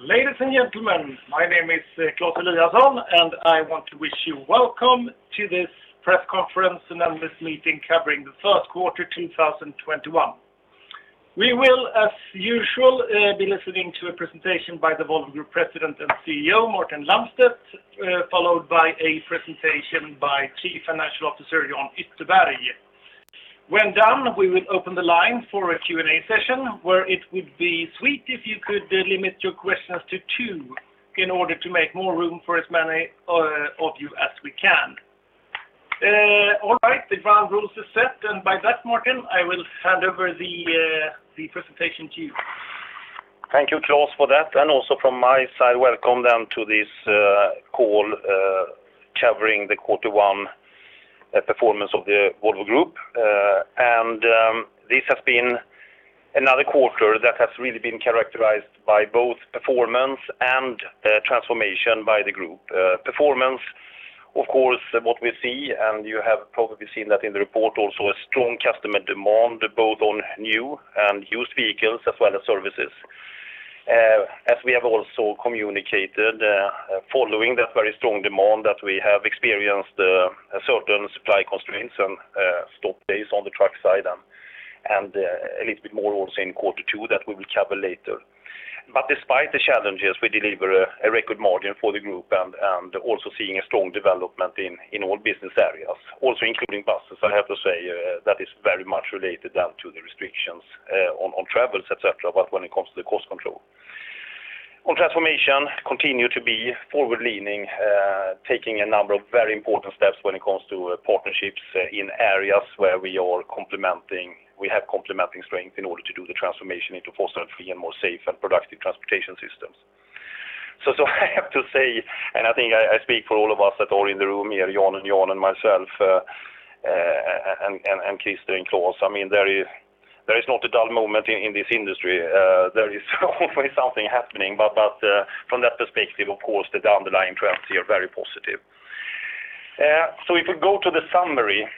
Ladies and gentlemen, my name is Claes Eliasson. I want to wish you welcome to this press conference and earnings meeting covering the third quarter 2021. We will, as usual, be listening to a presentation by the Volvo Group President and Chief Executive Officer, Martin Lundstedt, followed by a presentation by Chief Financial Officer, Jan Ytterberg. When done, we will open the line for a Q&A session, where it would be sweet if you could limit your questions to two in order to make more room for as many of you as we can. All right, the ground rules are set. By that, Martin Lundstedt, I will hand over the presentation to you. Thank you, Claes, for that. Also from my side, welcome to this call covering the quarter one performance of the Volvo Group. This has been another quarter that has really been characterized by both performance and transformation by the group. Performance, of course, what we see, you have probably seen that in the report also, a strong customer demand, both on new and used vehicles, as well as services. As we have also communicated, following that very strong demand that we have experienced, certain supply constraints and stock days on the truck side, a little bit more also in quarter two that we will cover later. Despite the challenges, we deliver a record margin for the group and also seeing a strong development in all business areas, also including Buses. I have to say, that is very much related then to the restrictions on travels, et cetera, but when it comes to the cost control. On transformation, continue to be forward-leaning, taking a number of very important steps when it comes to partnerships in areas where we have complementing strength in order to do the transformation into fossil-free and more safe and productive transportation systems. I have to say, and I think I speak for all of us that are in the room here, Jan and Johan and myself, and Christer and Claes, there is not a dull moment in this industry. There is always something happening. From that perspective, of course, the underlying trends here are very positive. If we go to the summary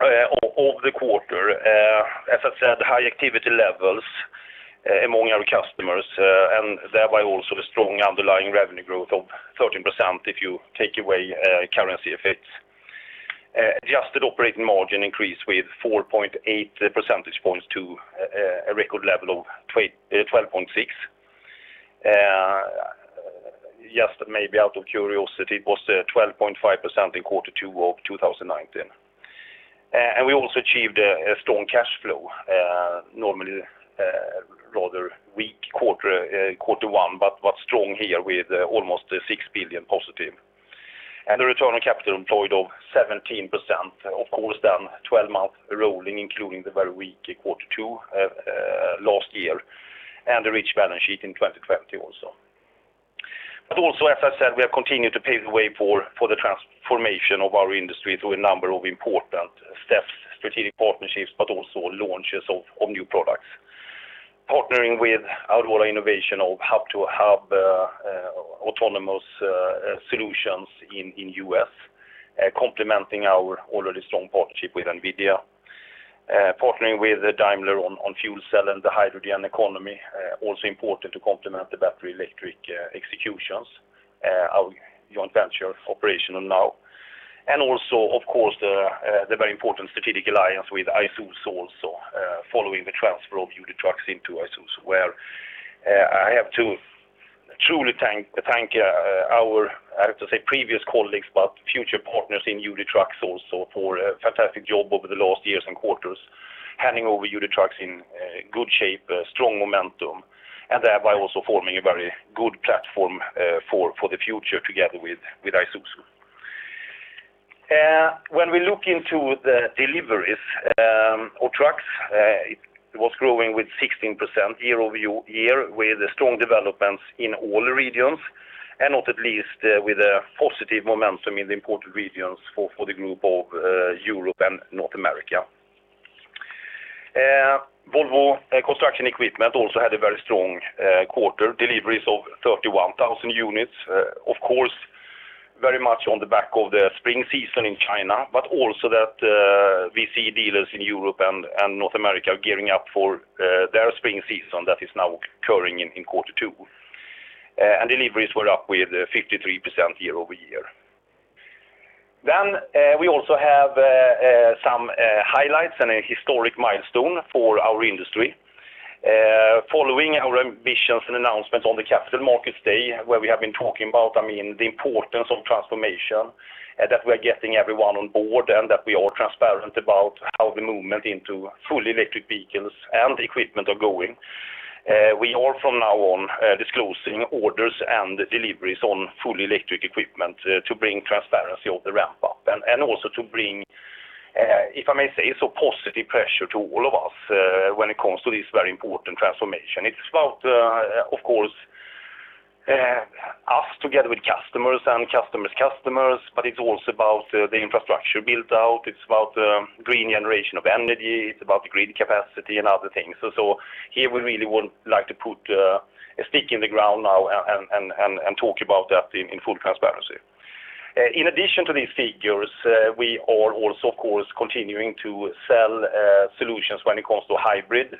of the quarter, as I said, high activity levels among our customers, and thereby also the strong underlying revenue growth of 13%, if you take away currency effects. Adjusted operating margin increased with 4.8 percentage points to a record level of 12.6%. Just maybe out of curiosity, it was 12.5% in quarter two of 2019. We also achieved a strong cash flow. Normally, a rather weak quarter one, but was strong here with almost 6 billion positive. The return on capital employed of 17%, of course, then 12 month rolling, including the very weak quarter two, last year, and a rich balance sheet in 2020 also. Also, as I said, we have continued to pave the way for the transformation of our industry through a number of important steps, strategic partnerships, also launches of new products. Partnering with Aurora Innovation of hub-to-hub autonomous solutions in U.S., complementing our already strong partnership with NVIDIA. Partnering with Daimler on fuel cell and the hydrogen economy, also important to complement the battery electric executions, our joint venture operational now. The very important strategic alliance with Isuzu also, following the transfer of UD Trucks into Isuzu, where I have to truly thank our, I have to say, previous colleagues, but future partners in UD Trucks also for a fantastic job over the last years and quarters, handing over UD Trucks in good shape, strong momentum, and thereby also forming a very good platform for the future together with Isuzu. We look into the deliveries of trucks, it was growing with 16% year-over-year with strong developments in all regions, not at least with a positive momentum in the important regions for the group of Europe and North America. Volvo Construction Equipment also had a very strong quarter, deliveries of 31,000 units. Of course, very much on the back of the spring season in China, also that we see dealers in Europe and North America gearing up for their spring season that is now occurring in quarter two. Deliveries were up with 53% year-over-year. We also have some highlights and a historic milestone for our industry. Following our ambitions and announcements on the Capital Markets Day, where we have been talking about the importance of transformation, that we are getting everyone on board, and that we are transparent about how the movement into fully electric vehicles and equipment are going. We are from now on disclosing orders and deliveries on fully electric equipment to bring transparency of the ramp-up, and also to bring, if I may say so, positive pressure to all of us when it comes to this very important transformation. It's about, of course, us together with customers and customers' customers, but it's also about the infrastructure build-out. It's about green generation of energy. It's about the green capacity and other things. Here we really would like to put a stake in the ground now and talk about that in full transparency. In addition to these figures, we are also, of course, continuing to sell solutions when it comes to hybrid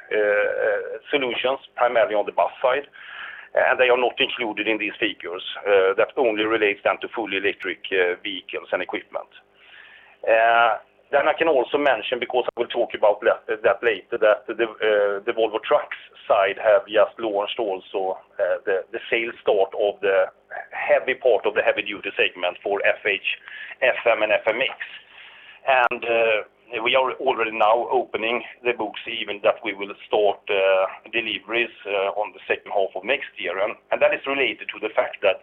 solutions, primarily on the bus side. They are not included in these figures. That only relates then to fully electric vehicles and equipment. I can also mention, because I will talk about that later, that the Volvo Trucks side have just launched also the sales start of the heavy part of the heavy-duty segment for FH, FM, and FMX. We are already now opening the books even that we will start deliveries on the second half of next year. That is related to the fact that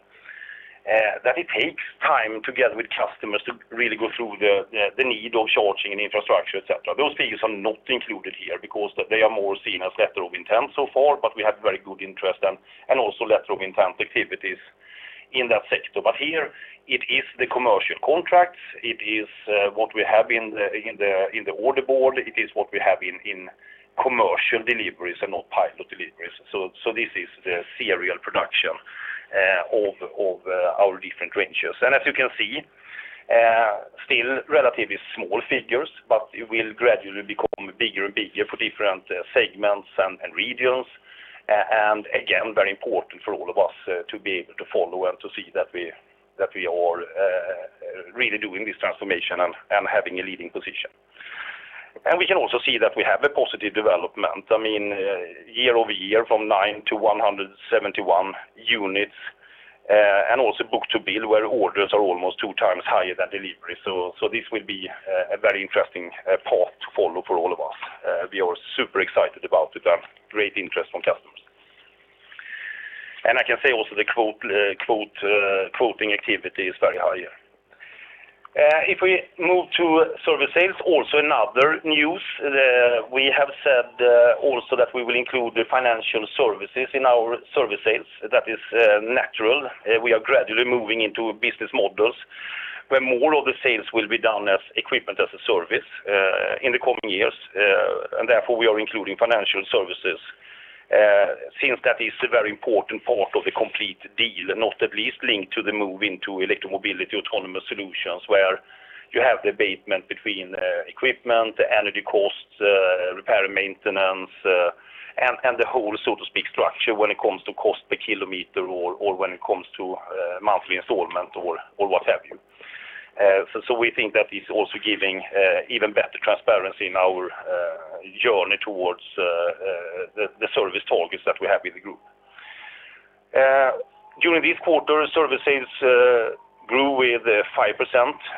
it takes time together with customers to really go through the need of charging and infrastructure, et cetera. Those figures are not included here because they are more seen as letter of intent so far, but we have very good interest and also letter of intent activities in that sector. Here it is the commercial contracts. It is what we have in the order board. It is what we have in commercial deliveries and not pilot deliveries. This is the serial production of our different ranges. As you can see, still relatively small figures, but it will gradually become bigger and bigger for different segments and regions. Again, very important for all of us to be able to follow and to see that we are really doing this transformation and having a leading position. We can also see that we have a positive development. Year-over-year, from 9 to 171 units. Also book-to-bill, where orders are almost two times higher than delivery. This will be a very interesting path to follow for all of us. We are super excited about the great interest from customers. I can say also the quoting activity is very high here. If we move to service sales, also another news. We have said also that we will include the financial services in our service sales. That is natural. We are gradually moving into business models where more of the sales will be done as equipment as a service in the coming years. Therefore, we are including financial services since that is a very important part of the complete deal, not at least linked to the move into electric mobility autonomous solutions, where you have the [agreement] between equipment, energy costs, repair and maintenance, and the whole, so to speak, structure when it comes to cost per kilometer or when it comes to monthly installment or what have you. We think that is also giving even better transparency in our journey towards the service targets that we have in the group. During this quarter, service sales grew with 5%,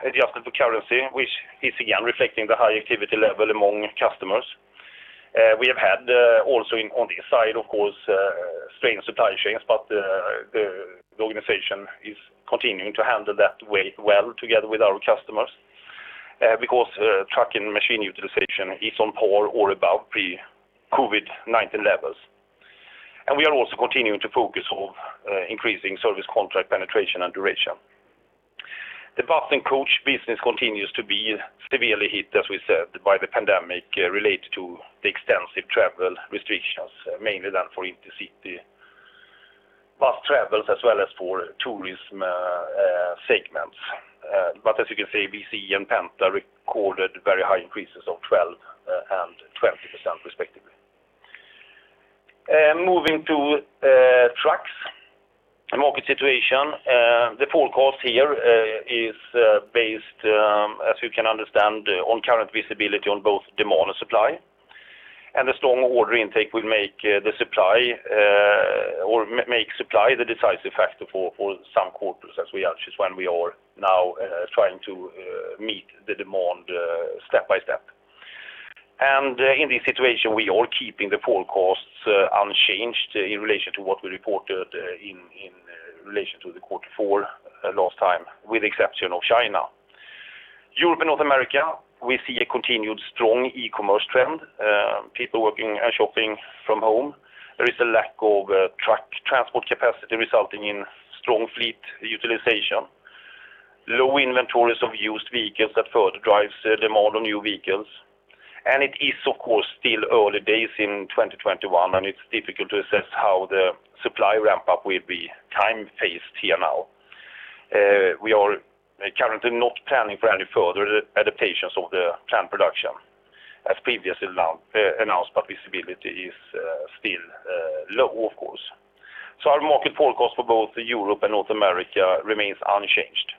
adjusted for currency, which is again reflecting the high activity level among customers. We have had also on this side, of course, strain supply chains, but the organization is continuing to handle that well together with our customers, because truck and machine utilization is on par or above pre-COVID-19 levels. We are also continuing to focus on increasing service contract penetration and duration. The bus and coach business continues to be severely hit, as we said, by the pandemic related to the extensive travel restrictions, mainly done for inter-city bus travels as well as for tourism segments. As you can see, BC and Penta recorded very high increases of 12% and 20% respectively. Moving to trucks. The market situation. The forecast here is based, as you can understand, on current visibility on both demand and supply. The strong order intake will make supply the decisive factor for some quarters as we are now trying to meet the demand step by step. In this situation, we are keeping the forecasts unchanged in relation to what we reported in relation to the quarter four last time, with exception of China. Europe and North America, we see a continued strong e-commerce trend. People working and shopping from home. There is a lack of truck transport capacity resulting in strong fleet utilization. Low inventories of used vehicles that further drives demand on new vehicles. It is, of course, still early days in 2021, and it's difficult to assess how the supply ramp-up will be time-phased here now. We are currently not planning for any further adaptations of the plant production as previously announced, but visibility is still low, of course. Our market forecast for both Europe and North America remains unchanged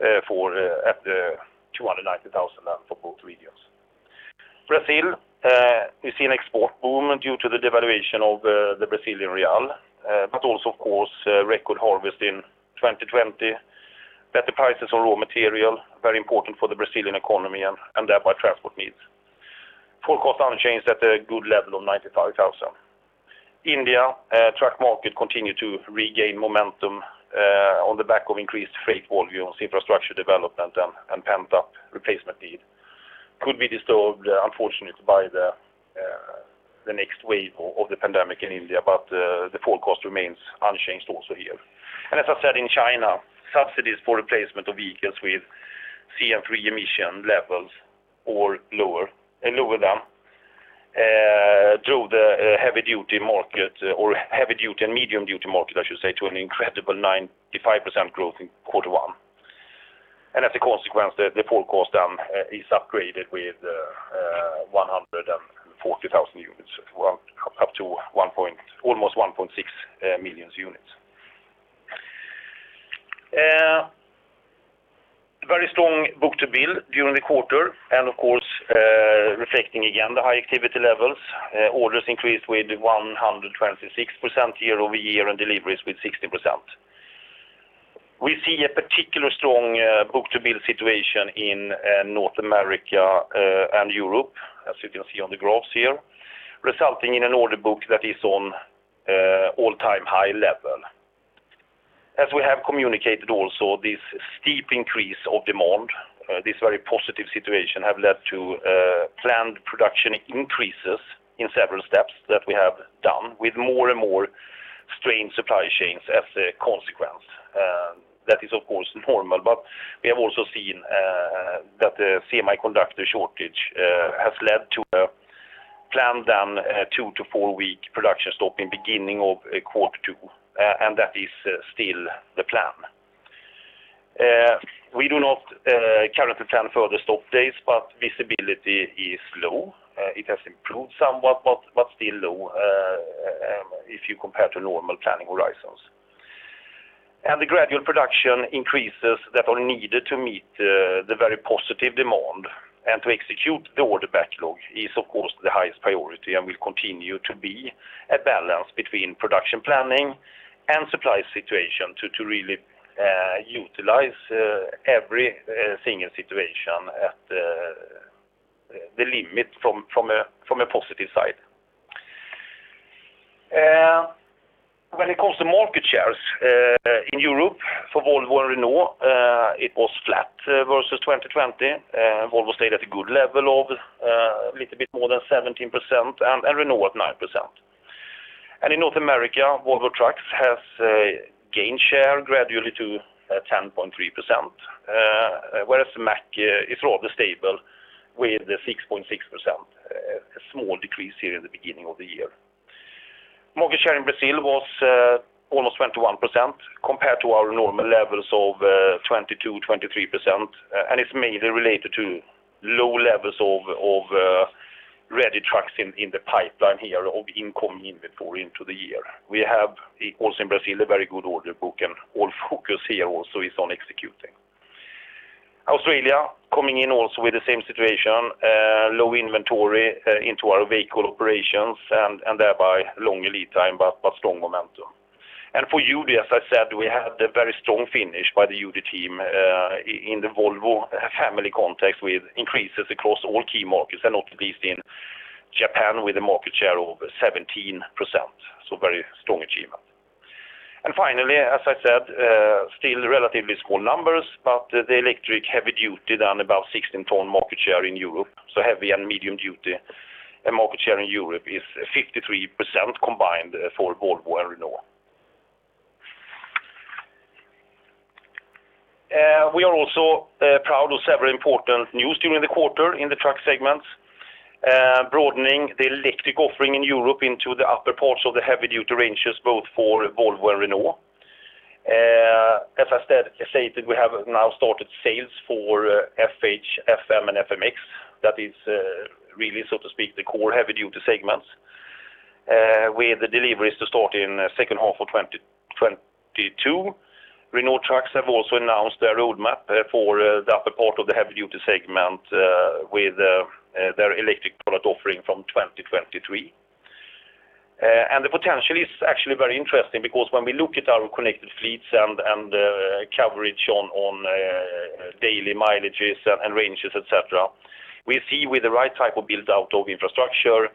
at 290,000 for both regions. Brazil, we see an export boom due to the devaluation of the Brazilian real, but also, of course, record harvest in 2020. Better prices of raw material, very important for the Brazilian economy, and thereby transport needs. Forecast unchanged at a good level of 95,000. India truck market continued to regain momentum on the back of increased freight volumes, infrastructure development, and pent-up replacement need. Could be disturbed, unfortunately, by the next wave of the pandemic in India. The forecast remains unchanged also here. As I said, in China, subsidies for replacement of vehicles with China III emission levels or lower that drove the heavy-duty market, or heavy-duty and medium-duty market, I should say, to an incredible 95% growth in Q1. As a consequence, the forecast is upgraded with 140,000 units, up to almost 1.6 million units. Very strong book-to-bill during the quarter, of course, reflecting again the high activity levels. Orders increased with 126% year-over-year. Deliveries with 60%. We see a particular strong book-to-bill situation in North America and Europe, as you can see on the graphs here, resulting in an order book that is on all-time high level. As we have communicated also, this steep increase of demand, this very positive situation, have led to planned production increases in several steps that we have done with more and more strained supply chains as a consequence. That is, of course, normal, but we have also seen that the semiconductor shortage has led to a planned down two to four-week production stop in beginning of quarter two, and that is still the plan. We do not currently plan further stop days, but visibility is low. It has improved somewhat, but still low if you compare to normal planning horizons. The gradual production increases that are needed to meet the very positive demand and to execute the order backlog is, of course, the highest priority and will continue to be a balance between production planning and supply situation to really utilize every single situation at the limit from a positive side. When it comes to market shares in Europe for Volvo and Renault, it was flat versus 2020. Volvo stayed at a good level of a little bit more than 17%, and Renault at 9%. In North America, Volvo Trucks has gained share gradually to 10.3%, whereas Mack is rather stable with 6.6%, a small decrease here in the beginning of the year. Market share in Brazil was almost 21%, compared to our normal levels of 22%, 23%, and it's mainly related to low levels of ready trucks in the pipeline here, or incoming inventory into the year. We have also in Brazil, a very good order book, and all focus here also is on executing. Australia coming in also with the same situation, low inventory into our vehicle operations, and thereby longer lead time, but strong momentum. For UD, as I said, we had a very strong finish by the UD team in the Volvo family context with increases across all key markets, and not least in Japan with a market share of 17%. Very strong achievement. Finally, as I said, still relatively small numbers, but the electric heavy-duty and above 16 ton market share in Europe. Heavy and medium duty market share in Europe is 53% combined for Volvo and Renault. We are also proud of several important news during the quarter in the truck segments, broadening the electric offering in Europe into the upper parts of the heavy-duty ranges, both for Volvo and Renault. As I stated, we have now started sales for FH, FM, and FMX. That is really, so to speak, the core heavy-duty segments, with the deliveries to start in second half of 2022. Renault Trucks have also announced their roadmap for the upper part of the heavy-duty segment with their electric product offering from 2023. The potential is actually very interesting because when we look at our connected fleets and the coverage on daily mileages and ranges, et cetera, we see with the right type of build-out of infrastructure,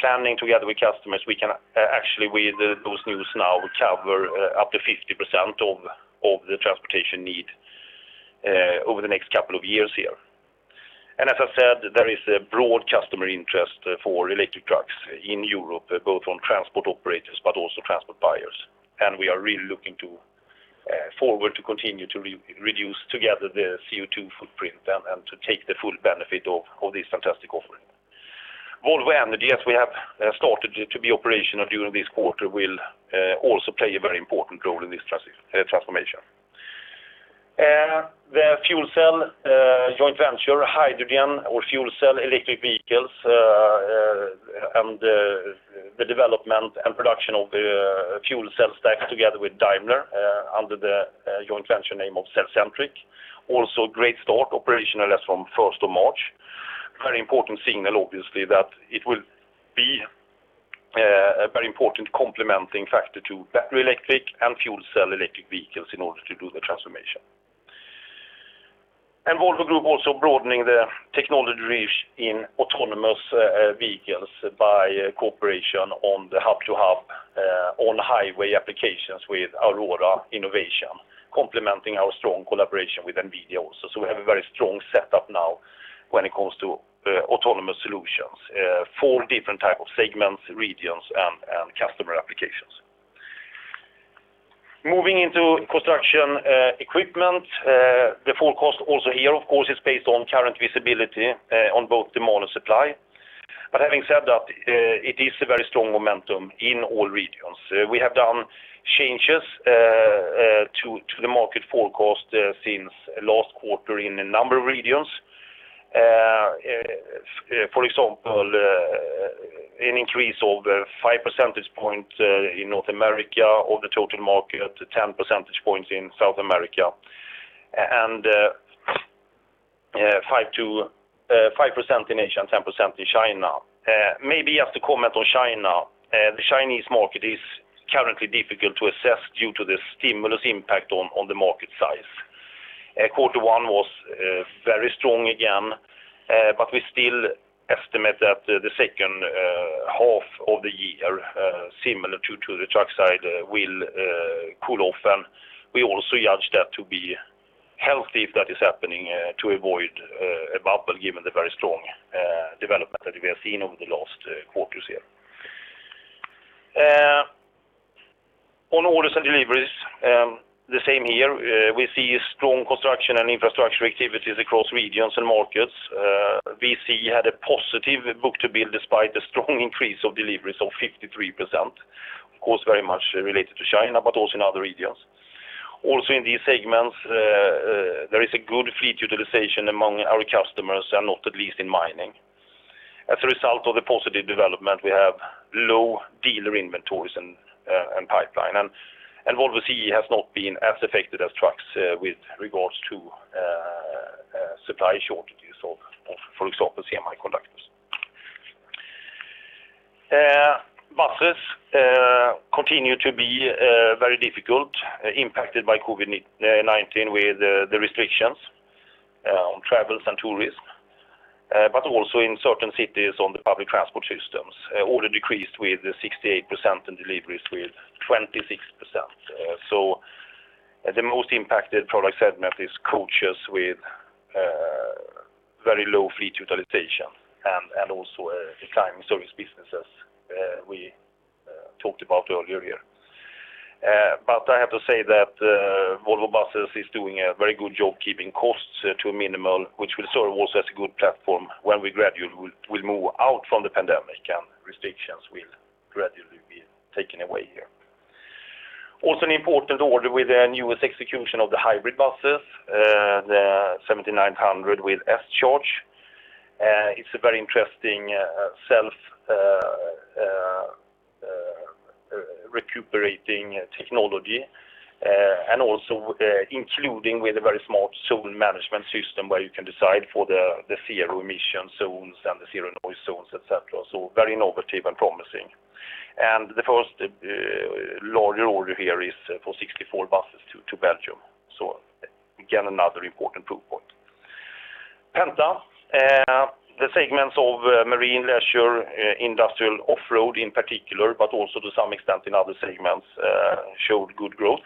planning together with customers, we can actually, with those news now, cover up to 50% of the transportation need over the next couple of years here. As I said, there is a broad customer interest for electric trucks in Europe, both on transport operators, but also transport buyers. We are really looking forward to continue to reduce together the CO₂ footprint and to take the full benefit of this fantastic offering. Volvo Energy, as we have started to be operational during this quarter, will also play a very important role in this transformation. The fuel cell joint venture, hydrogen or fuel cell electric vehicles, and the development and production of fuel cell stacks together with Daimler under the joint venture name of cellcentric. Great start, operational as from 1st of March. Very important signal, obviously, that it will be a very important complementing factor to battery electric and fuel cell electric vehicles in order to do the transformation. Volvo Group also broadening the technology reach in autonomous vehicles by cooperation on the hub-to-hub on highway applications with Aurora Innovation, complementing our strong collaboration with NVIDIA also. We have a very strong setup now when it comes to autonomous solutions for different type of segments, regions, and customer applications. Moving into construction equipment, the forecast also here, of course, is based on current visibility on both demand and supply. Having said that, it is a very strong momentum in all regions. We have done changes to the market forecast since last quarter in a number of regions. For example, an increase of 5 percentage points in North America of the total market, 10 percentage points in South America, and 5% in Asia, and 10% in China. Maybe just to comment on China. The Chinese market is currently difficult to assess due to the stimulus impact on the market size. Quarter one was very strong again, we still estimate that the second half of the year, similar to the truck side, will cool off. We also judge that to be healthy if that is happening, to avoid a bubble, given the very strong development that we have seen over the last quarters here. On orders and deliveries, the same here. We see strong construction and infrastructure activities across regions and markets. Volvo Construction Equipment had a positive book-to-bill despite the strong increase of deliveries of 53%, of course, very much related to China, but also in other regions. Also in these segments, there is a good fleet utilization among our customers, and not at least in mining. As a result of the positive development, we have low dealer inventories and pipeline, and Volvo CE has not been as affected as trucks with regards to supply shortages of, for example, semiconductors. Buses continue to be very difficult, impacted by COVID-19 with the restrictions on travels and tourism, but also in certain cities on the public transport systems. Order decreased with 68% and deliveries with 26%. The most impacted product segment is coaches with very low fleet utilization and also the business, as we talked about earlier. I have to say that Volvo Buses is doing a very good job keeping costs to a minimum, which will serve also as a good platform when we gradually will move out from the pandemic and restrictions will gradually be taken away here. An important order with the newest execution of the hybrid buses, the 7900 with S-Charge. It's a very interesting self-recuperating technology, and also including with a very smart zone management system where you can decide for the zero emission zones and the zero noise zones, et cetera. Very innovative and promising. The first larger order here is for 64 buses to Belgium. Again, another important proof point. Penta. The segments of marine, leisure, industrial, off-road in particular, but also to some extent in other segments, showed good growth.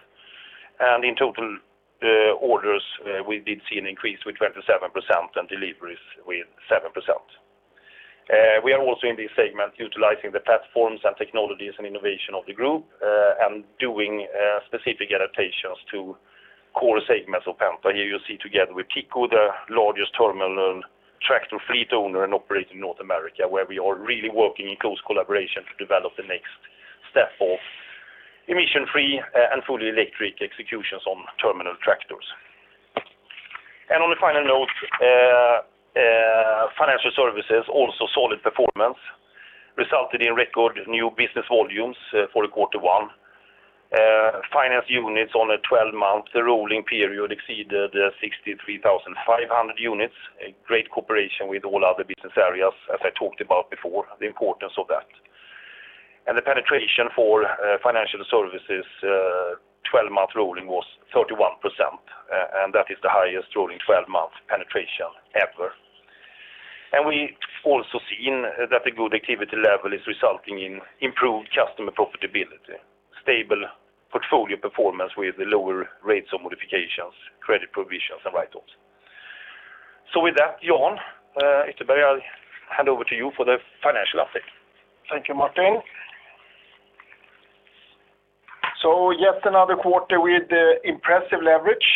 In total orders, we did see an increase with 27% and deliveries with 7%. We are also in this segment utilizing the platforms and technologies and innovation of the group, and doing specific adaptations to core segments of Penta. Here you see together with Terminal Investment Corporation, the largest terminal tractor fleet owner and operator in North America, where we are really working in close collaboration to develop the next step of emission free and fully electric executions on terminal tractors. On a final note, financial services, also solid performance, resulted in record new business volumes for Q1. Finance units on a 12-month rolling period exceeded 63,500 units, a great cooperation with all other business areas, as I talked about before, the importance of that. The penetration for financial services 12-month rolling was 31%, and that is the highest rolling 12-month penetration ever. We also seen that a good activity level is resulting in improved customer profitability, stable portfolio performance with lower rates of modifications, credit provisions, and write-offs. With that, Jan Ytterberg, I'll hand over to you for the financial update. Thank you, Martin. Just another quarter with impressive leverage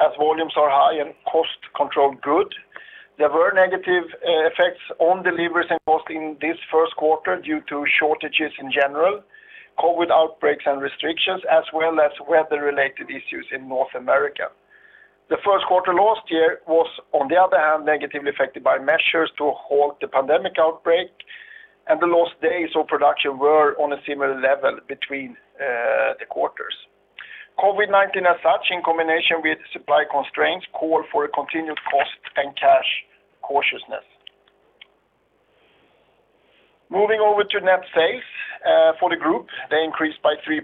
as volumes are high and cost control good. There were negative effects on deliveries and cost in this first quarter due to shortages in general, COVID-19 outbreaks and restrictions, as well as weather-related issues in North America. The first quarter last year was, on the other hand, negatively affected by measures to halt the pandemic outbreak, and the lost days of production were on a similar level between the quarters. COVID-19 as such, in combination with supply constraints, call for a continued cost and cash cautiousness. Moving over to net sales. For the group, they increased by 3%,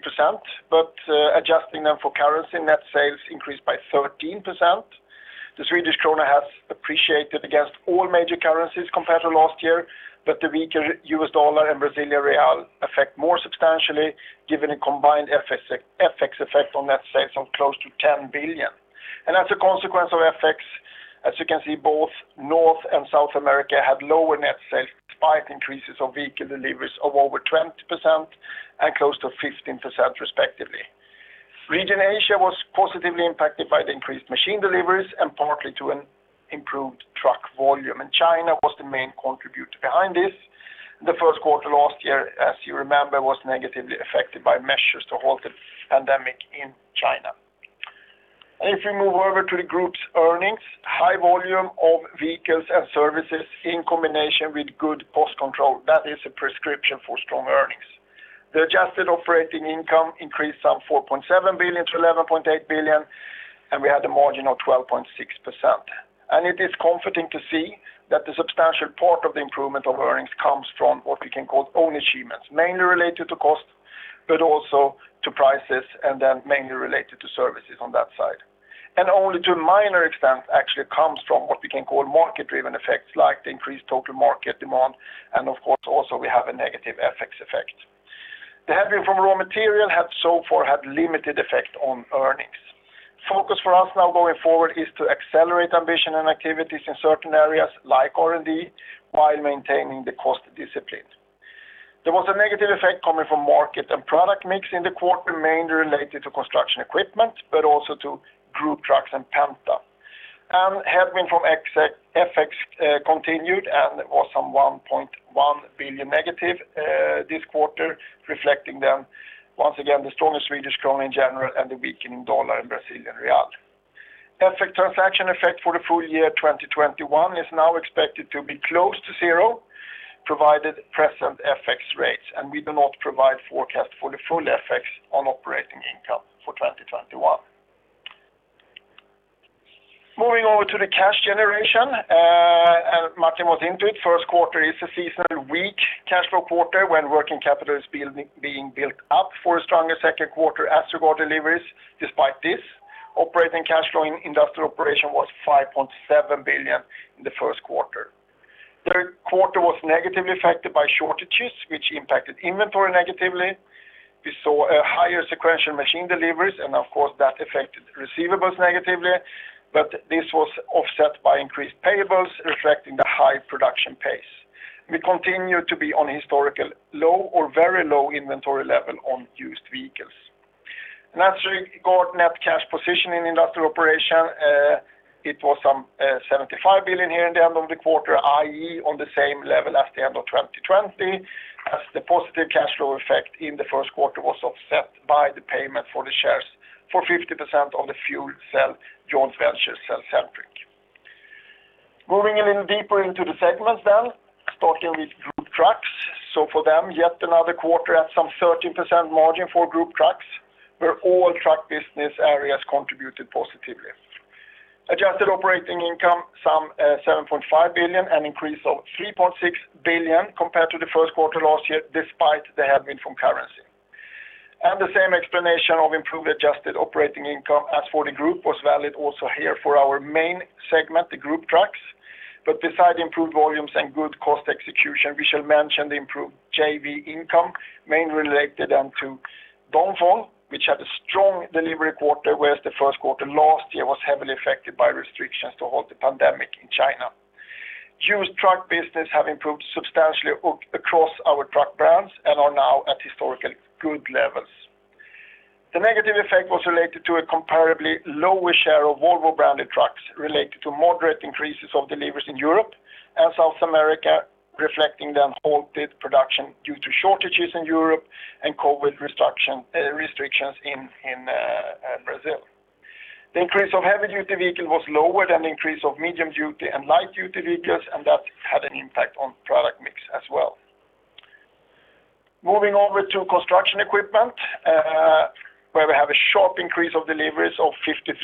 but adjusting them for currency, net sales increased by 13%. The Swedish krona has appreciated against all major currencies compared to last year, but the weaker US dollar and Brazilian real affect more substantially, given a combined FX effect on net sales of close to 10 billion. As a consequence of FX, as you can see, both North and South America had lower net sales despite increases of vehicle deliveries of over 20% and close to 15% respectively. Region Asia was positively impacted by the increased machine deliveries and partly to an improved truck volume, and China was the main contributor behind this. The first quarter last year, as you remember, was negatively affected by measures to halt the pandemic in China. If you move over to the group's earnings, high volume of vehicles and services in combination with good cost control, that is a prescription for strong earnings. The adjusted operating income increased from 4.7 billion to 11.8 billion. We had a margin of 12.6%. It is comforting to see that the substantial part of the improvement of earnings comes from what we can call own achievements, mainly related to cost, but also to prices, mainly related to services on that side. Only to a minor extent actually comes from what we can call market-driven effects, like the increased total market demand, and of course, also we have a negative FX effect. The headwind from raw material so far had limited effect on earnings. Focus for us now going forward is to accelerate ambition and activities in certain areas like R&D while maintaining the cost discipline. There was a negative effect coming from market and product mix in the quarter, mainly related to construction equipment, but also to Group Trucks and Penta. Headwind from FX continued and was some -1.1 billion this quarter, reflecting, once again, the stronger Swedish krona in general and the weakening U.S. dollar and Brazilian real. FX transaction effect for the full year 2021 is now expected to be close to zero, provided present FX rates. We do not provide forecast for the full FX on operating income for 2021. Moving over to the cash generation, Martin was into it. First quarter is a seasonally weak cash flow quarter when working capital is being built up for a stronger second quarter after core deliveries. Despite this, operating cash flow in industrial operation was 5.7 billion in the first quarter. The quarter was negatively affected by shortages, which impacted inventory negatively. We saw a higher sequential machine deliveries, and of course, that affected receivables negatively, but this was offset by increased payables, reflecting the high production pace. We continue to be on historical low or very low inventory level on used vehicles. Naturally, core net cash position in industrial operation, it was some 75 billion here in the end of the quarter, i.e., on the same level as the end of 2020, as the positive cash flow effect in the first quarter was offset by the payment for the shares for 50% on the fuel cell joint venture, cellcentric. Moving a little deeper into the segments then, starting with Group Trucks. For them, yet another quarter at some 13% margin for Group Trucks, where all truck business areas contributed positively. Adjusted operating income 7.5 billion, an increase of 3.6 billion compared to the first quarter last year, despite the headwind from currency. The same explanation of improved adjusted operating income as for the group was valid also here for our main segment, the Group Trucks. Beside improved volumes and good cost execution, we shall mention the improved JV income, mainly related then to Dongfeng, which had a strong delivery quarter, whereas the first quarter last year was heavily affected by restrictions to halt the pandemic in China. Heavy truck business have improved substantially across our truck brands and are now at historically good levels. The negative effect was related to a comparably lower share of Volvo-branded trucks, related to moderate increases of deliveries in Europe and South America, reflecting the halted production due to shortages in Europe and COVID restrictions in Brazil. The increase of heavy-duty vehicle was lower than the increase of medium-duty and light-duty vehicles, and that had an impact on product mix as well. Moving over to construction equipment, where we have a sharp increase of deliveries of 53%,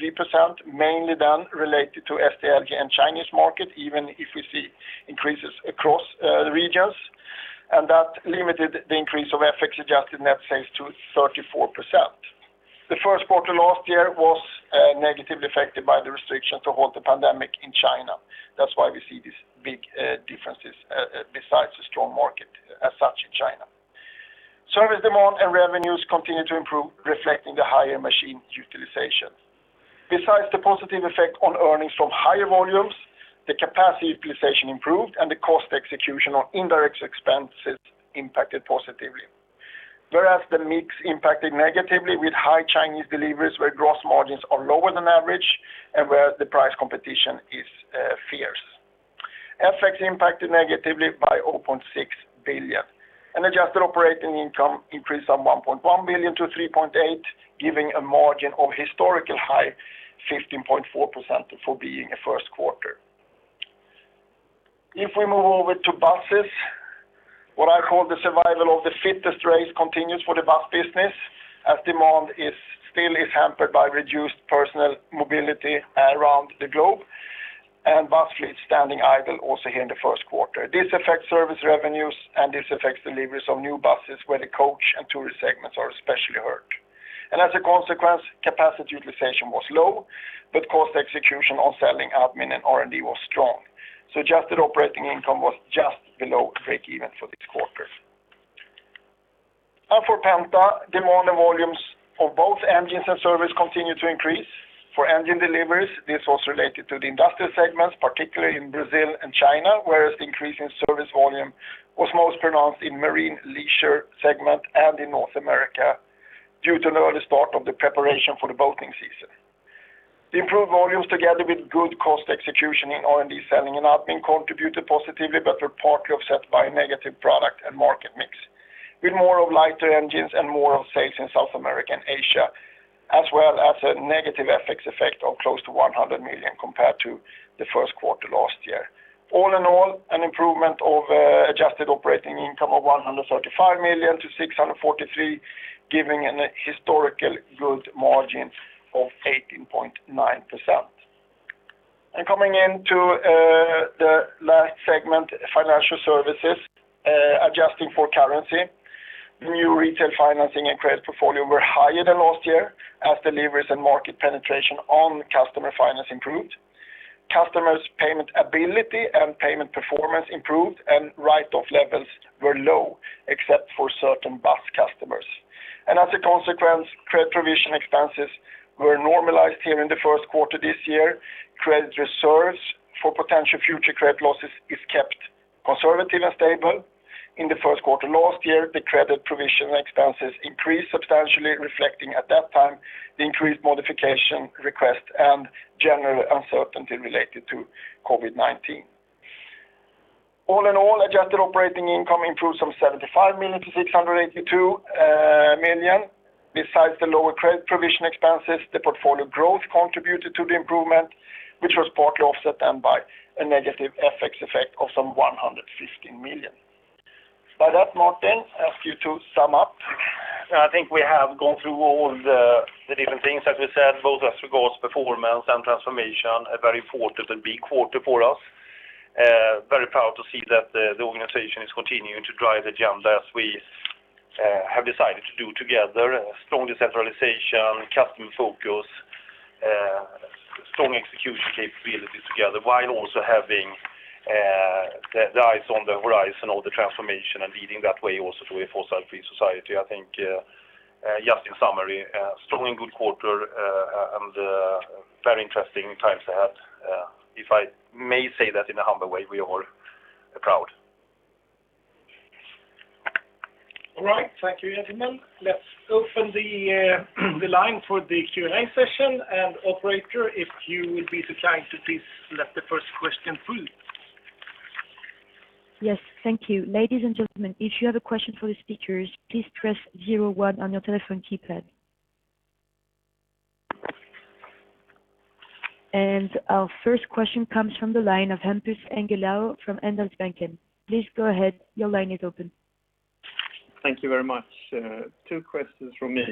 mainly then related to SDLG and Chinese market, even if we see increases across the regions. That limited the increase of FX-adjusted net sales to 34%. The first quarter last year was negatively affected by the restriction to halt the pandemic in China. That's why we see these big differences, besides a strong market as such in China. Service demand and revenues continue to improve, reflecting the higher machine utilization. Besides the positive effect on earnings from higher volumes, the capacity utilization improved, and the cost execution on indirect expenses impacted positively. The mix impacted negatively with high Chinese deliveries, where gross margins are lower than average and where the price competition is fierce. FX impacted negatively by 0.6 billion, adjusted operating income increased from 1.1 billion to 3.8 billion, giving a margin of historical high 15.4% for being a first quarter. If we move over to buses, what I call the survival of the fittest race continues for the bus business, as demand still is hampered by reduced personal mobility around the globe and bus fleet standing idle also here in the first quarter. This affects service revenues, this affects deliveries of new buses where the coach and tourist segments are especially hurt. As a consequence, capacity utilization was low, cost execution on selling, admin, and R&D was strong. Adjusted operating income was just below breakeven for this quarter. For Penta, demand and volumes of both engines and service continue to increase. For engine deliveries, this was related to the industrial segments, particularly in Brazil and China, whereas the increase in service volume was most pronounced in marine leisure segment and in North America due to an early start of the preparation for the boating season. The improved volumes, together with good cost execution in R&D, selling, and admin contributed positively, but were partly offset by a negative product and market mix, with more of lighter engines and more of sales in South America and Asia, as well as a negative FX effect of close to 100 million compared to the first quarter last year. All in all, an improvement of adjusted operating income of 135 million to 643, giving a historically good margin of 18.9%. Coming into the last segment, financial services. Adjusting for currency, new retail financing and credit portfolio were higher than last year as deliveries and market penetration on customer finance improved. Customers' payment ability and payment performance improved, and write-off levels were low, except for certain bus customers. As a consequence, credit provision expenses were normalized here in the first quarter this year. Credit reserves for potential future credit losses is kept conservative and stable. In the first quarter last year, the credit provision expenses increased substantially, reflecting at that time the increased modification request and general uncertainty related to COVID-19. All in all, adjusted operating income improved from 75 million to 682 million. Besides the lower credit provision expenses, the portfolio growth contributed to the improvement, which was partly offset then by a negative FX effect of some 115 million. By that, Martin, I ask you to sum up. I think we have gone through all the different things that we said, both as regards performance and transformation, a very important and big quarter for us. Very proud to see that the organization is continuing to drive the agenda as we have decided to do together. Strong decentralization, customer focus, strong execution capabilities together, while also having the eyes on the horizon of the transformation and leading that way also to a fossil-free society. I think, just in summary, strong and good quarter, and very interesting times ahead. If I may say that in a humble way, we are all proud. All right. Thank you, gentlemen. Let's open the line for the Q&A session, and operator, if you would be so kind to please let the first question through. Yes. Thank you. Ladies and gentlemen, if you have a question for the speakers, please press zero one on your telephone keypad. Our first question comes from the line of Hampus Engellau from Handelsbanken. Please go ahead. Your line is open. Thank you very much. Two questions from me.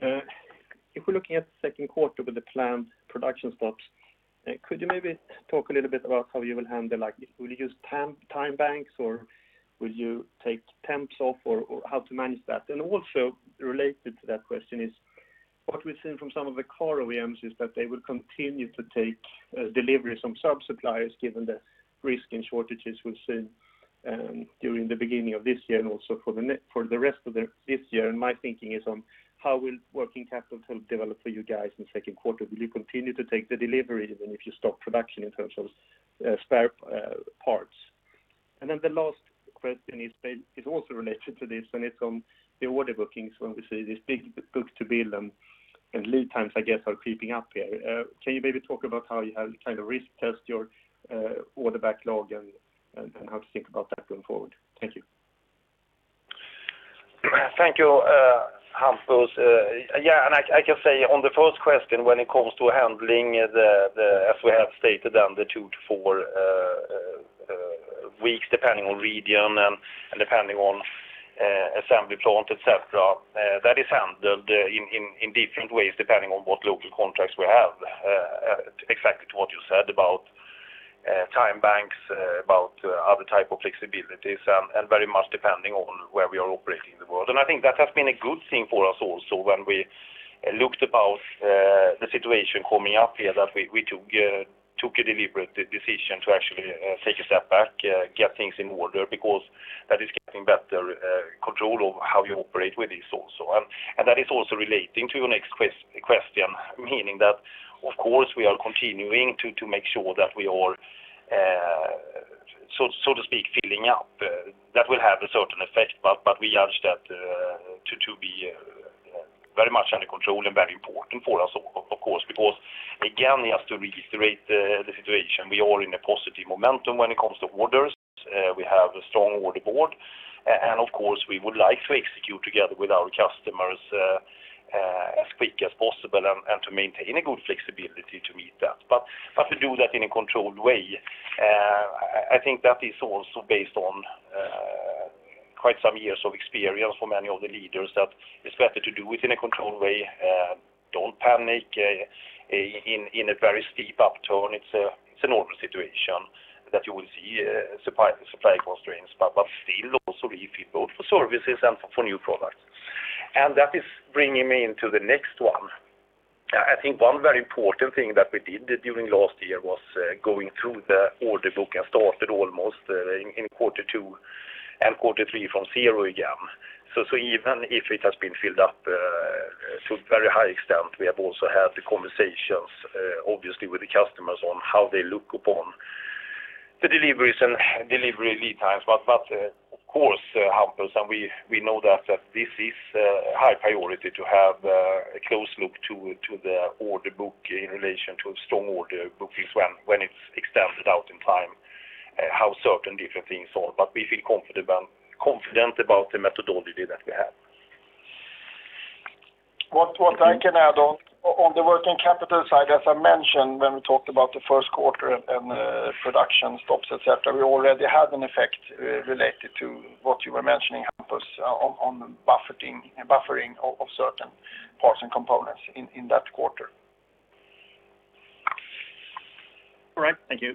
If we're looking at the second quarter with the planned production stops, could you maybe talk a little bit about how you will handle? Will you use time banks, or will you take temps off, or how to manage that? Also related to that question is what we've seen from some of the car original equipment manufacturers is that they will continue to take deliveries from sub-suppliers given the risk and shortages we've seen during the beginning of this year and also for the rest of this year. My thinking is on how will working capital develop for you guys in the second quarter? Will you continue to take the delivery even if you stop production in terms of spare parts? The last question is also related to this, and it's on the order bookings when we see this big book-to-bill and lead times, I guess, are creeping up here. Can you maybe talk about how you have risk test your order backlog and how to think about that going forward? Thank you. Thank you, Hampus. Yeah, I can say on the first question, when it comes to handling, as we have stated, the two to four weeks, depending on region and depending on assembly plant, et cetera, that is handled in different ways depending on what local contracts we have. Exactly to what you said about time banks, about other type of flexibilities, very much depending on where we are operating in the world. I think that has been a good thing for us also when we looked about the situation coming up here, that we took a deliberate decision to actually take a step back, get things in order, because that is getting better control of how you operate with this also. That is also relating to your next question, meaning that, of course, we are continuing to make sure that we are, so to speak, filling up. That will have a certain effect, but we judge that to be very much under control and very important for us, of course, because again, we have to reiterate the situation. We are in a positive momentum when it comes to orders. We have a strong order book, and of course, we would like to execute together with our customers as quick as possible and to maintain a good flexibility to meet that. To do that in a controlled way, I think that is also based on quite some years of experience for many of the leaders that it's better to do it in a controlled way. Don't panic in a very steep upturn. It's a normal situation that you will see supply constraints, but still also if you build for services and for new products. That is bringing me into the next one. I think one very important thing that we did during last year was going through the order book and started almost in quarter two and quarter three from zero again. Even if it has been filled up to a very high extent, we have also had the conversations, obviously, with the customers on how they look upon the deliveries and delivery lead times. Of course, Hampus, and we know that this is a high priority to have a close look to the order book in relation to a strong order bookings when it's extended out in time, how certain different things are. We feel confident about the methodology that we have. What I can add on the working capital side, as I mentioned, when we talked about the first quarter and production stops, et cetera, we already had an effect related to what you were mentioning, Hampus, on buffering of certain parts and components in that quarter. All right. Thank you.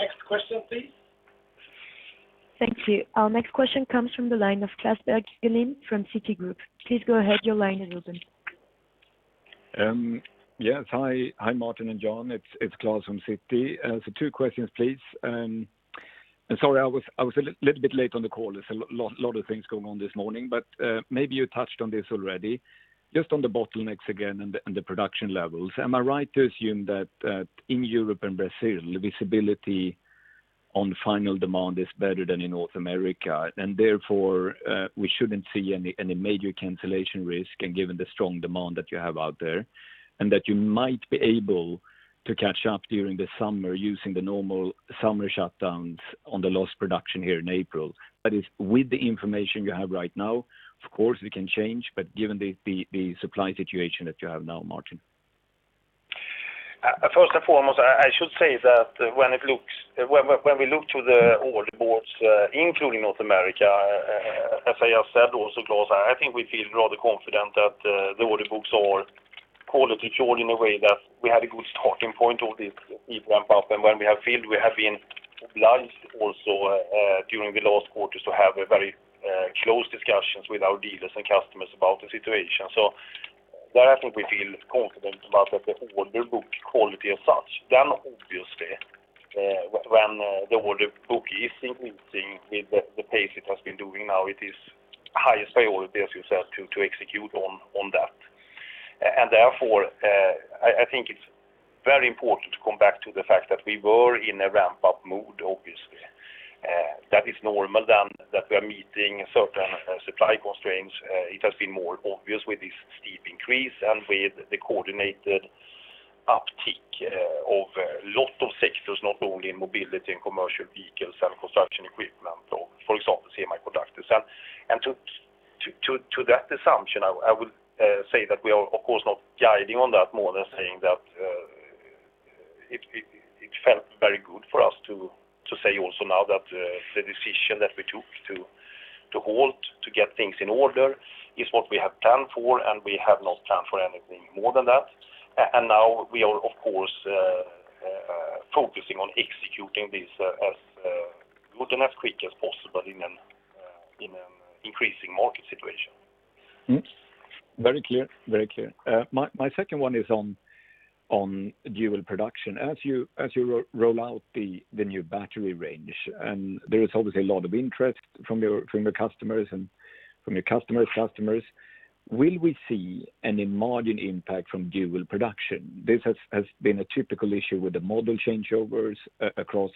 Next question, please. Thank you. Our next question comes from the line of Klas Bergelind from Citigroup. Please go ahead. Yes. Hi, Martin and Jan. It's Klas Bergelind from Citigroup. Two questions, please. Sorry, I was a little bit late on the call. There's a lot of things going on this morning, but maybe you touched on this already. Just on the bottlenecks again and the production levels, am I right to assume that in Europe and Brazil, the visibility on final demand is better than in North America, and therefore, we shouldn't see any major cancellation risk and given the strong demand that you have out there, and that you might be able to catch up during the summer using the normal summer shutdowns on the lost production here in April? That is with the information you have right now. Of course, it can change, but given the supply situation that you have now, Martin. First and foremost, I should say that when we look to the order boards, including North America, as I have said also, Klas, I think we feel rather confident that the order books are quality assured in a way that we had a good starting point of this ramp-up. When we have filled, we have been obliged also, during the last quarters to have very close discussions with our dealers and customers about the situation. There, I think we feel confident about the order book quality as such. Obviously, when the order book is increasing with the pace it has been doing now, it is highest priority, as you said, to execute on that. Therefore, I think it's very important to come back to the fact that we were in a ramp-up mood, obviously. That is normal, then that we are meeting certain supply constraints. It has been more obvious with this steep increase and with the coordinated uptick of a lot of sectors, not only in mobility and commercial vehicles and construction equipment or, for example, semiconductors. To that assumption, I would say that we are, of course, not guiding on that more than saying that it felt very good for us to say also now that the decision that we took to halt, to get things in order, is what we have planned for, and we have not planned for anything more than that. Now we are, of course, focusing on executing this as good and as quick as possible in an increasing market situation. Very clear. My second one is on dual production. As you roll out the new battery range, there is obviously a lot of interest from your customers and from your customers' customers, will we see any margin impact from dual production? This has been a typical issue with the model changeovers across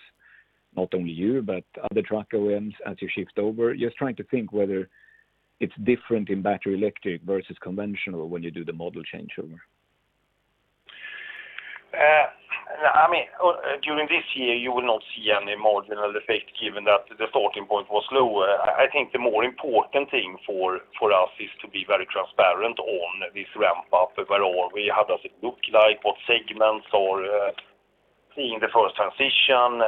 not only you, but other truck OEMs as you shift over. Just trying to think whether it's different in battery electric versus conventional when you do the model changeover. During this year, you will not see any marginal effect given that the starting point was lower. I think the more important thing for us is to be very transparent on this ramp-up overall. How does it look like, what segments are seeing the first transition,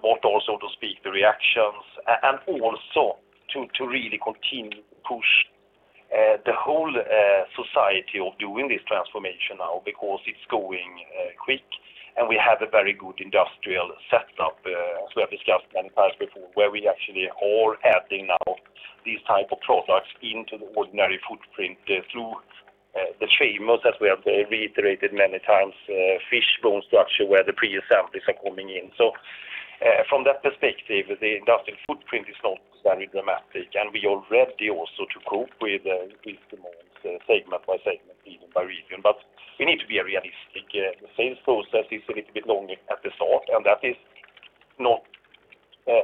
what all, so to speak, the reactions, and also to really continue to push the whole society of doing this transformation now because it's going quick, and we have a very good industrial setup, as we have discussed many times before, where we actually are adding now these type of products into the ordinary footprint through the famous, as we have reiterated many times, fish bone structure where the pre-assemblies are coming in. From that perspective, the industrial footprint is not very dramatic, and we are ready also to cope with these demands segment by segment, even by region. We need to be realistic. The sales process is a little bit long at the start, and that is not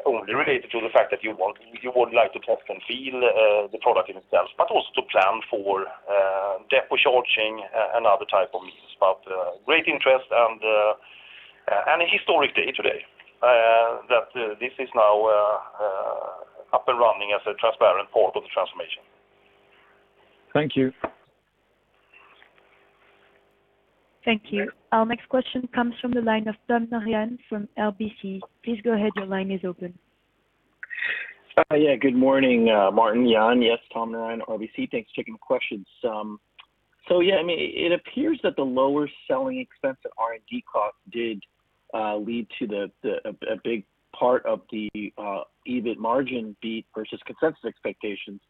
only related to the fact that you would like to touch and feel the product itself, but also to plan for depot charging and other type of means. Great interest and a historic day today, that this is now up and running as a transparent part of the transformation. Thank you. Thank you. Our next question comes from the line of Tom Narayan from RBC. Please go ahead. Your line is open. Yeah, good morning, Martin, Jan. Yes, Tom Narayan, RBC. Thanks. Two quick questions. It appears that the lower selling expense and R&D costs did lead to a big part of the EBIT margin beat versus consensus expectations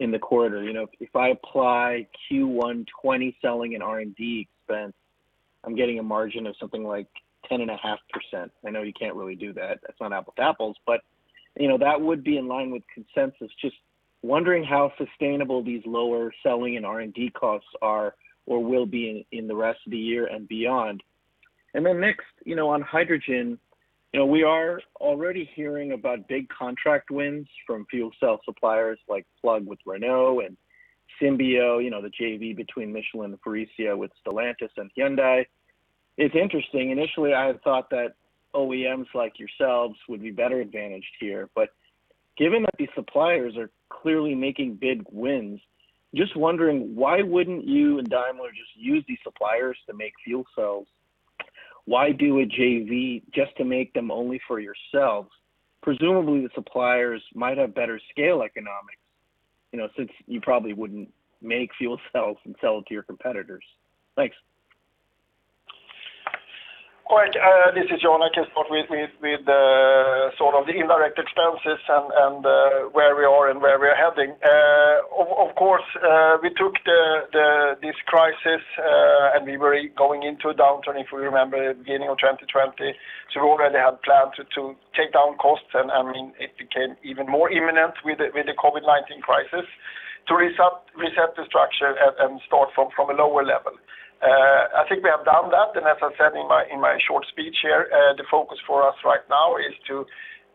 in the quarter. If I apply Q1 2020 selling and R&D expense, I'm getting a margin of something like 10.5%. I know you can't really do that. That's not apple-to-apples, but that would be in line with consensus. Just wondering how sustainable these lower selling and R&D costs are or will be in the rest of the year and beyond. Next, on hydrogen, we are already hearing about big contract wins from fuel cell suppliers like Plug with Renault and Symbio, the JV between Michelin and Faurecia with Stellantis and Hyundai. It's interesting. Initially, I had thought that OEMs like yourselves would be better advantaged here. Given that these suppliers are clearly making big wins, just wondering why wouldn't you and Daimler just use these suppliers to make fuel cells? Why do a JV just to make them only for yourselves? Presumably, the suppliers might have better scale economics, since you probably wouldn't make fuel cells and sell it to your competitors. Thanks. All right. This is Jan. I can start with the indirect expenses and where we are and where we are heading. Of course, we took this crisis, and we were going into a downturn, if we remember, beginning of 2020. We already had planned to take down costs, and it became even more imminent with the COVID-19 crisis to reset the structure and start from a lower level. I think we have done that, and as I said in my short speech here, the focus for us right now is to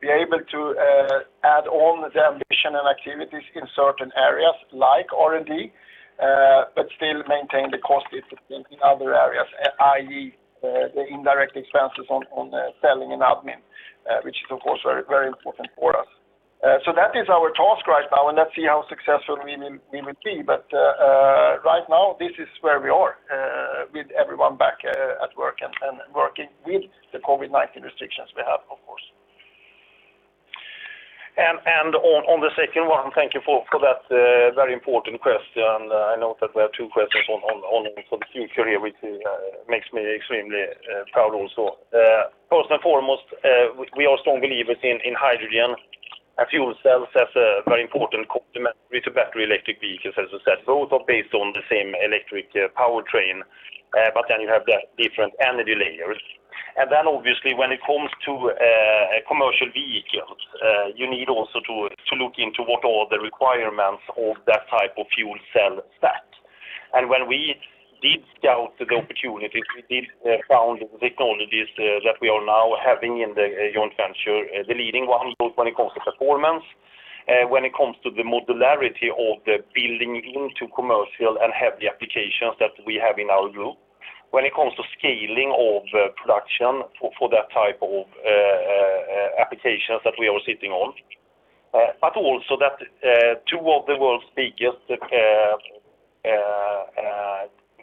be able to add on the ambition and activities in certain areas like R&D, but still maintain the cost discipline in other areas, i.e. the indirect expenses on selling and admin, which is, of course, very important for us. That is our task right now, and let's see how successful we will be. Right now, this is where we are with everyone back at work and working with the COVID-19 restrictions we have, of course. On the second one, thank you for that very important question. I know that we have two questions on the future here, which makes me extremely proud also. First and foremost, we are strong believers in hydrogen and fuel cells as a very important complementary to battery electric vehicles, as we said. Both are based on the same electric powertrain, but then you have the different energy layers. Then obviously, when it comes to commercial vehicles, you need also to look into what are the requirements of that type of fuel cell stack. When we did scout the opportunities, we did found technologies that we are now having in the joint venture, the leading one, both when it comes to performance, when it comes to the modularity of the building into commercial and heavy applications that we have in our group. When it comes to scaling of production for that type of applications that we are sitting on. Also that two of the world's biggest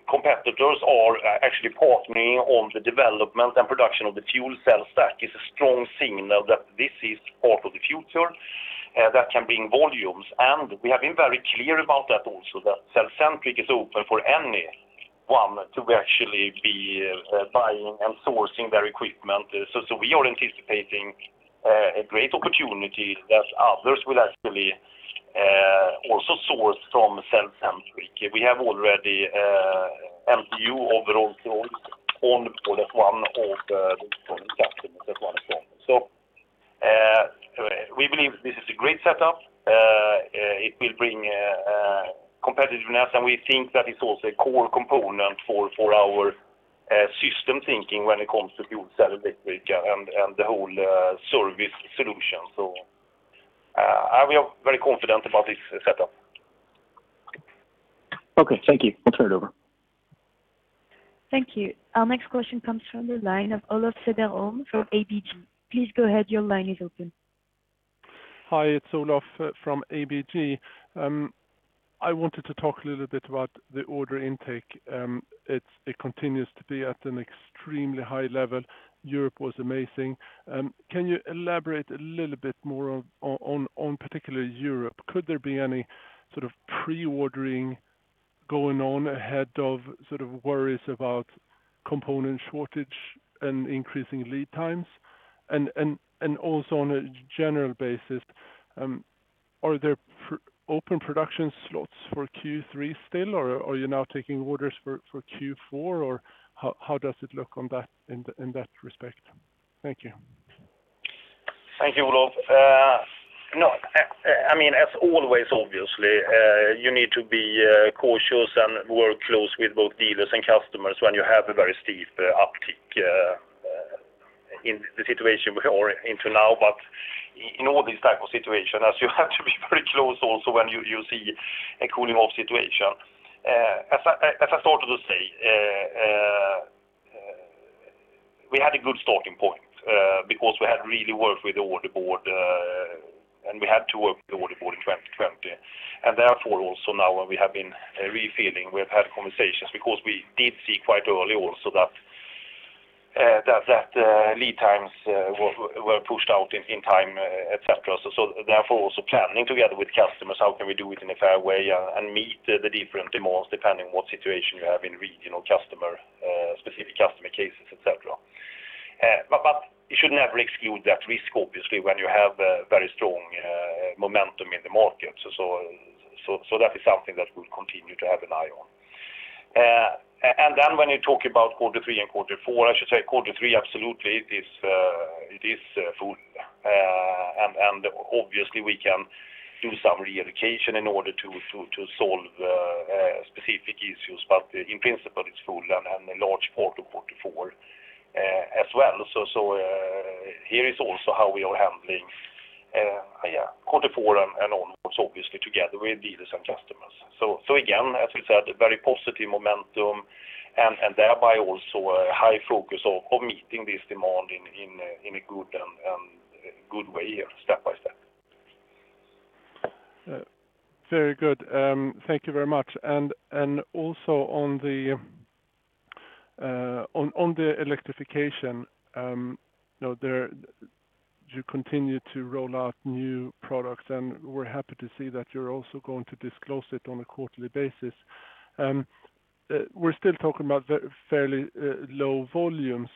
competitors are actually partnering on the development and production of the fuel cell stack is a strong signal that this is part of the future that can bring volumes. We have been very clear about that also, that cellcentric is open for anyone to actually be buying and sourcing their equipment. We are anticipating a great opportunity that others will actually also source from cellcentric. We have already MTU overall closed on that one of the customers as well. We believe this is a great setup. It will bring competitiveness, and we think that it's also a core component for our system thinking when it comes to fuel cell electric and the whole service solution. We are very confident about this setup. Okay. Thank you. I'll turn it over. Thank you. Our next question comes from the line of Olof Cederholm from ABG. Please go ahead. Your line is open. Hi, it's Olof from ABG. I wanted to talk a little bit about the order intake. It continues to be at an extremely high level. Europe was amazing. Can you elaborate a little bit more on particular Europe? Could there be any sort of pre-ordering going on ahead of worries about component shortage and increasing lead times? Also on a general basis, are there open production slots for Q3 still, or are you now taking orders for Q4, or how does it look in that respect? Thank you. Thank you, Olof. As always, obviously, you need to be cautious and work close with both dealers and customers when you have a very steep uptick in the situation we are into now. In all these type of situation, as you have to be very close also when you see a cooling off situation. As I thought to say, we had a good starting point because we had really worked with the order board, and we had to work with the order board in 2020. Therefore, also now we have been really feeling we have had conversations because we did see quite early also that lead times were pushed out in time, et cetera. Therefore, also planning together with customers, how can we do it in a fair way and meet the different demands depending what situation you have in regional customer, specific customer cases, et cetera. You should never exclude that risk, obviously, when you have very strong momentum in the market. That is something that we'll continue to have an eye on. When you talk about quarter three and quarter four, I should say quarter three, absolutely, it's full. Obviously, we can do some reallocation in order to solve specific issues, but in principle, it's full and a large part of quarter four as well. Here is also how we are handling quarter four and onwards, obviously together with dealers and customers. Again, as we said, very positive momentum and thereby also a high focus of meeting this demand in a good way, step by step. Very good. Thank you very much. Also on the electrification, you continue to roll out new products, and we're happy to see that you're also going to disclose it on a quarterly basis. We're still talking about fairly low volumes.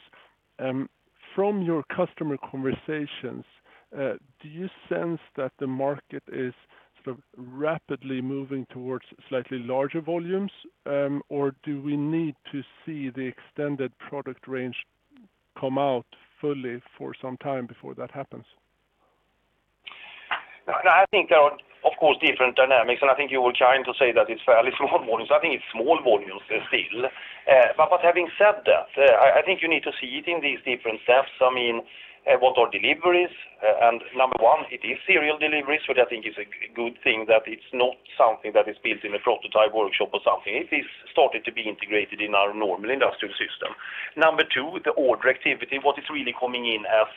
From your customer conversations, do you sense that the market is rapidly moving towards slightly larger volumes? Do we need to see the extended product range come out fully for some time before that happens? I think there are, of course, different dynamics, and I think you were trying to say that it's fairly small volumes. I think it's small volumes still. Having said that, I think you need to see it in these different steps. I mean, what are deliveries? Number one, it is serial deliveries, which I think is a good thing that it's not something that is built in a prototype workshop or something. It is started to be integrated in our normal industrial system. Number two, the order activity, what is really coming in as,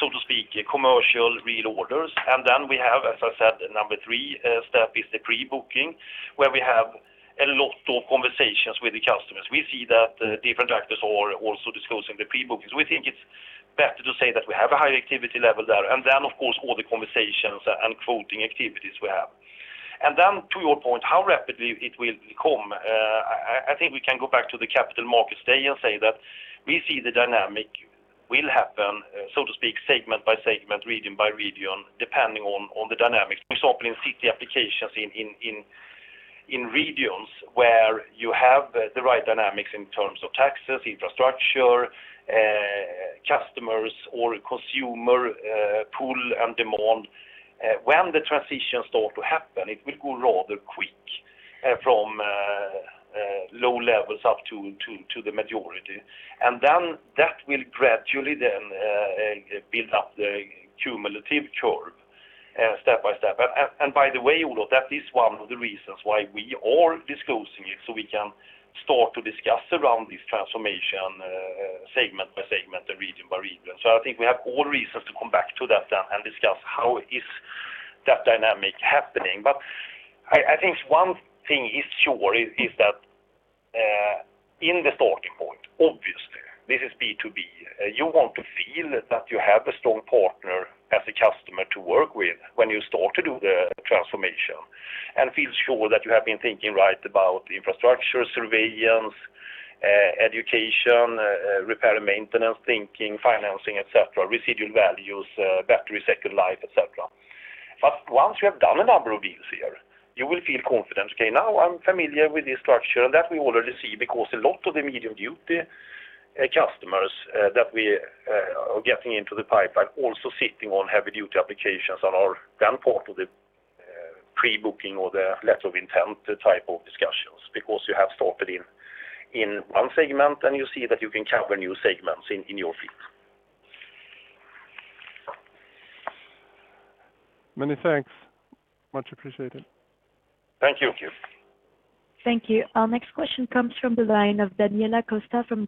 so to speak, commercial real orders. We have, as I said, number three, step is the pre-booking, where we have a lot of conversations with the customers. We see that different actors are also disclosing the pre-bookings. We think it's better to say that we have a high activity level there. Of course, all the conversations and quoting activities we have. To your point, how rapidly it will come, I think we can go back to the Capital Markets Day and say that we see the dynamic will happen, so to speak, segment by segment, region by region, depending on the dynamics. We saw it in city applications in regions where you have the right dynamics in terms of taxes, infrastructure, customers, or consumer pool and demand. When the transition start to happen, it will go rather quick from low levels up to the majority. That will gradually then build up the cumulative curve step by step. By the way, Olof, that is one of the reasons why we are disclosing it, so we can start to discuss around this transformation, segment by segment and region by region. I think we have all reasons to come back to that then and discuss how is that dynamic happening. I think one thing is sure is that in the starting point, obviously, this is B2B. You want to feel that you have a strong partner as a customer to work with when you start to do the transformation and feel sure that you have been thinking right about infrastructure, surveillance, education, repair and maintenance thinking, financing, et cetera, residual values, battery second life, et cetera. Once you have done a number of deals here, you will feel confident. Okay, now I'm familiar with this structure, and that we already see because a lot of the medium-duty customers that we are getting into the pipe are also sitting on heavy-duty applications on our then part of the pre-booking or the letter of intent type of discussions because you have started in one segment, and you see that you can cover new segments in your fleet. Many thanks. Much appreciated. Thank you. Thank you. Our next question comes from the line of Daniela Costa from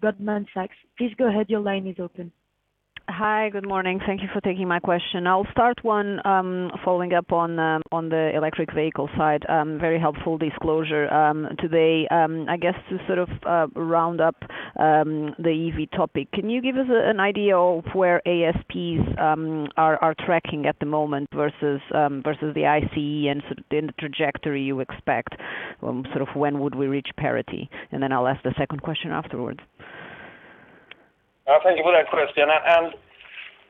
Goldman Sachs. Please go ahead. Your line is open. Hi. Good morning. Thank you for taking my question. I'll start one following up on the electric vehicle side. Very helpful disclosure today. I guess to sort of round up the electric vehicle topic, can you give us an idea of where average selling prices are tracking at the moment versus the internal combustion engine and the trajectory you expect, when would we reach parity? I'll ask the second question afterwards. Thank you for that question.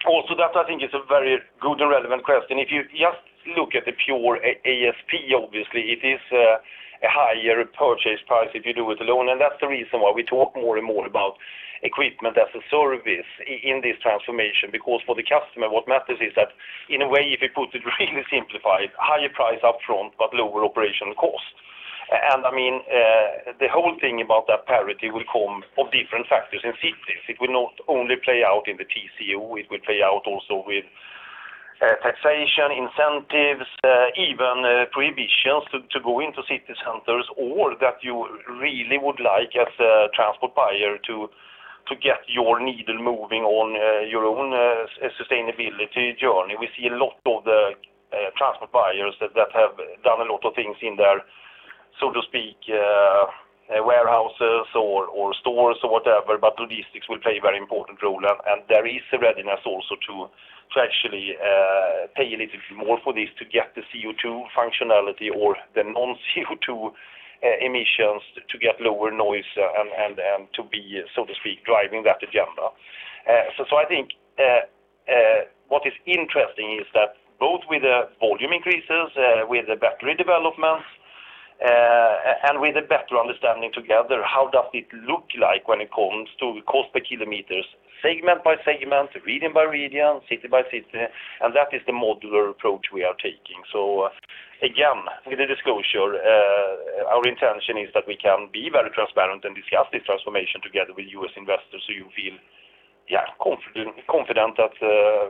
Also that I think is a very good and relevant question. If you just look at the pure ASP, obviously it is a higher purchase price if you do it alone. That's the reason why we talk more and more about equipment as a service in this transformation, because for the customer, what matters is that in a way, if you put it really simplified, higher price up front, but lower operational cost. I mean, the whole thing about that parity will come of different factors in cities. It will not only play out in the total cost of ownership, it will play out also with taxation, incentives, even prohibitions to go into city centers, or that you really would like as a transport buyer to get your needle moving on your own sustainability journey. We see a lot of the transport buyers that have done a lot of things in their, so to speak, warehouses or stores or whatever, but logistics will play a very important role. There is a readiness also to actually pay a little bit more for this to get the CO2 functionality or the non-CO2 emissions to get lower noise and to be, so to speak, driving that agenda. I think. What is interesting is that both with the volume increases, with the battery developments, and with a better understanding together, how does it look like when it comes to cost per kilometers, segment by segment, region by region, city by city, and that is the modular approach we are taking. Again, with the disclosure, our intention is that we can be very transparent and discuss this transformation together with you as investors so you feel confident that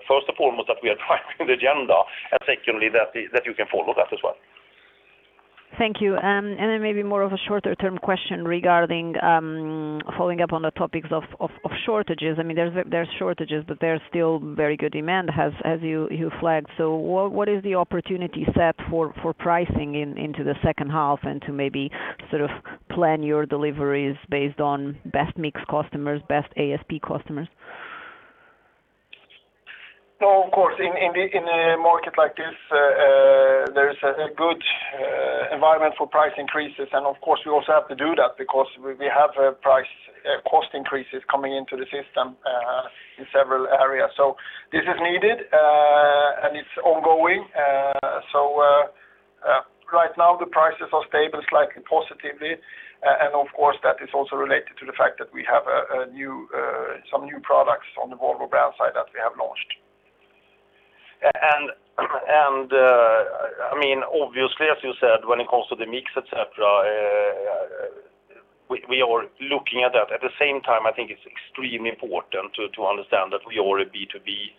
first and foremost that we are driving the agenda, and secondly, that you can follow that as well. Thank you. Then maybe more of a shorter-term question regarding following up on the topics of shortages. There's shortages, but there's still very good demand as you flagged. What is the opportunity set for pricing into the second half and to maybe sort of plan your deliveries based on best mix customers, best ASP customers? Of course, in a market like this, there is a good environment for price increases, and of course, we also have to do that because we have cost increases coming into the system in several areas. This is needed, and it's ongoing. Right now the prices are stable, slightly positively. Of course, that is also related to the fact that we have some new products on the Volvo brand side that we have launched. Obviously, as you said, when it comes to the mix, et cetera, we are looking at that. At the same time, I think it's extremely important to understand that we are a B2B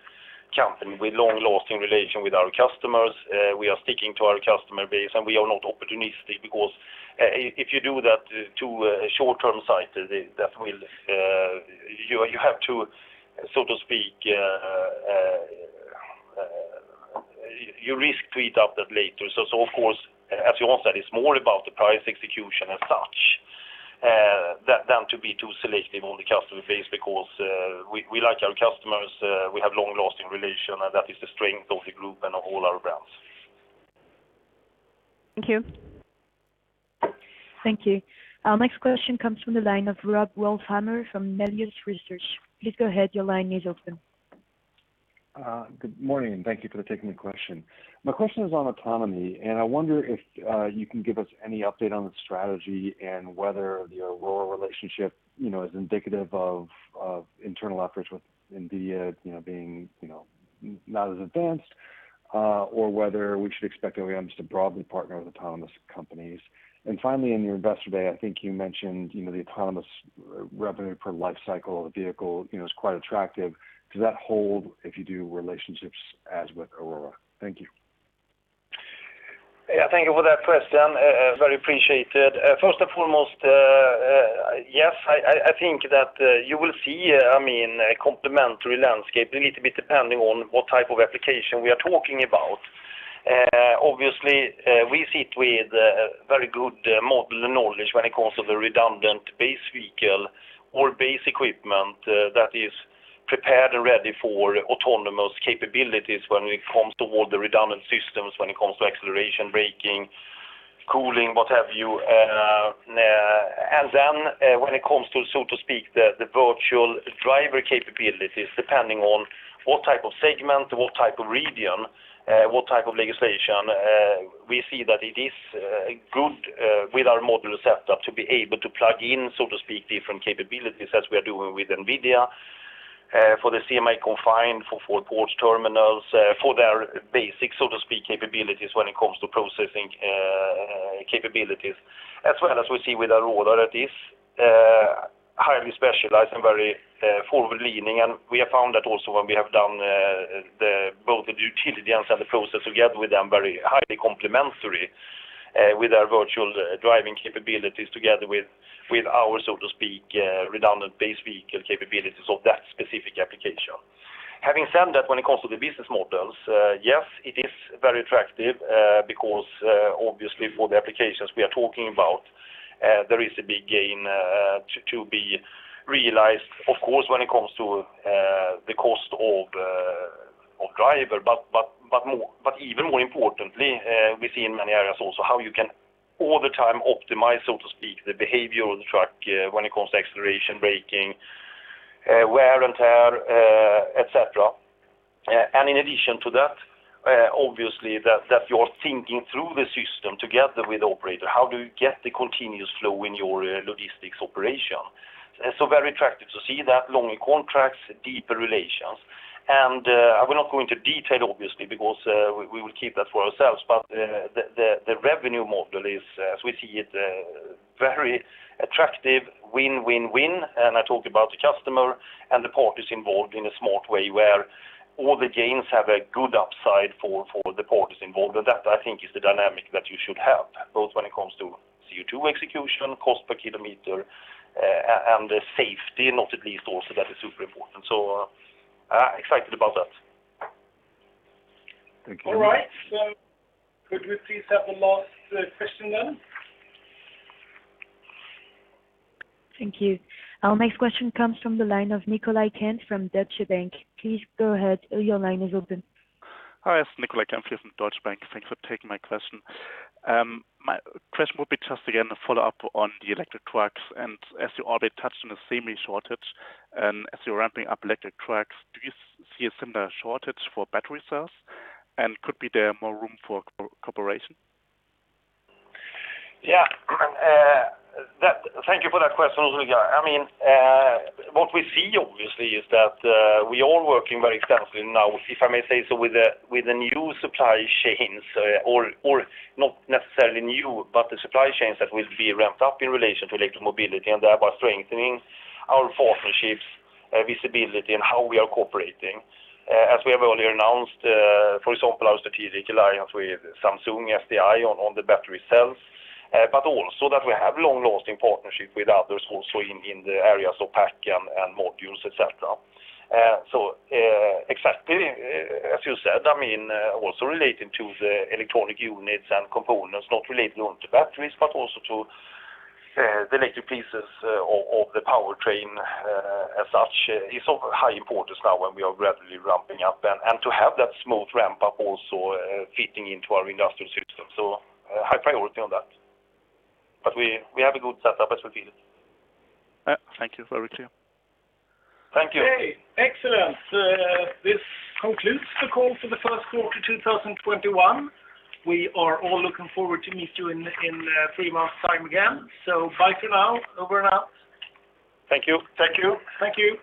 company with long-lasting relation with our customers. We are sticking to our customer base. We are not opportunistic because if you do that to short-term sights, so to speak, you risk to eat up that later. Of course, as you all said, it's more about the price execution as such, than to be too selective on the customer base because we like our customers, we have long-lasting relation, and that is the strength of the Volvo Group and of all our brands. Thank you. Thank you. Our next question comes from the line of Rob Wertheimer from Melius Research. Please go ahead. Your line is open. Good morning. Thank you for taking the question. My question is on autonomy, and I wonder if you can give us any update on the strategy and whether the Aurora relationship is indicative of internal efforts with NVIDIA, being not as advanced, or whether we should expect Volvo to broadly partner with autonomous companies. Finally, in your investor day, I think you mentioned the autonomous revenue per life cycle of the vehicle is quite attractive. Does that hold if you do relationships as with Aurora? Thank you. Yeah, thank you for that question. Very appreciated. First and foremost, yes, I think that you will see a complementary landscape, a little bit depending on what type of application we are talking about. Obviously, we sit with very good model knowledge when it comes to the redundant base vehicle or base equipment that is prepared and ready for autonomous capabilities when it comes toward the redundant systems, when it comes to acceleration, braking, cooling, what have you. When it comes to, so to speak, the virtual driver capabilities, depending on what type of segment, what type of region, what type of legislation, we see that it is good with our modular setup to be able to plug in, so to speak, different capabilities as we are doing with NVIDIA, for the semi- confined, for port terminals, for their basic, so to speak, capabilities when it comes to processing capabilities. As well as we see with Aurora, that is highly specialized and very forward-leaning, and we have found that also when we have done both the utility and the process together with them, very highly complimentary with our virtual driving capabilities together with our, so to speak, redundant base vehicle capabilities of that specific application. Having said that, when it comes to the business models, yes, it is very attractive because, obviously, for the applications we are talking about, there is a big gain to be realized. Of course, when it comes to the cost of driver. Even more importantly, we see in many areas also how you can all the time optimize, so to speak, the behavior of the truck when it comes to acceleration, braking, wear and tear, et cetera. In addition to that, obviously that you are thinking through the system together with the operator, how do you get the continuous flow in your logistics operation? Very attractive to see that longer contracts, deeper relations. I will not go into detail, obviously, because we will keep that for ourselves. The revenue model is, as we see it, very attractive, win-win-win. I talk about the customer and the parties involved in a smart way where all the gains have a good upside for the parties involved. That, I think is the dynamic that you should have, both when it comes to CO₂ execution, cost per kilometer, and safety, not at least also that is super important. Excited about that. All right. Could we please have the last question then? Thank you. Our next question comes from the line of Nicolai Kempf from Deutsche Bank. Please go ahead. Your line is open. Hi, it's Nicolai Kempf here from Deutsche Bank. Thanks for taking my question. My question would be just again, a follow-up on the electric trucks. As you already touched on the seeming shortage, and as you're ramping up electric trucks, do you see a similar shortage for battery cells? Could be there more room for cooperation? Yeah. Thank you for that question, Nicolai. What we see obviously is that we are working very extensively now, if I may say so, with the new supply chains, or not necessarily new, but the supply chains that will be ramped up in relation to electric mobility, and thereby strengthening our partnerships, visibility, and how we are cooperating. As we have earlier announced, for example, our strategic alliance with Samsung SDI on the battery cells, but also that we have long-lasting partnership with others also in the areas of pack and modules, et cetera. Exactly as you said, also relating to the electronic units and components, not relating only to batteries, but also to the electric pieces of the powertrain as such, is of high importance now when we are gradually ramping up. To have that smooth ramp-up also fitting into our industrial system. A high priority on that. We have a good setup as we see it. Thank you. Very clear. Thank you. Okay. Excellent. This concludes the call for the first quarter 2021. We are all looking forward to meet you in three months' time again. Bye for now. Over and out. Thank you. Thank you. Thank you.